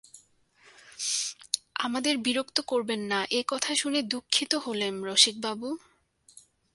আমাদের বিরক্ত করবেন না এ কথা শুনে দুঃখিত হলেম রসিকবাবু!